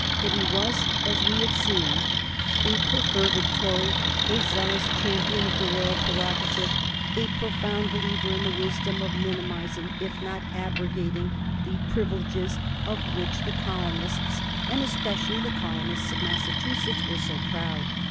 But he was, as we have seen, a perfervid Tory, a zealous champion of the royal prerogative, a profound believer in the wisdom of minimizing, if not abrogating, the privileges of which the colonists, and especially the colonists of Massachusetts, were so proud.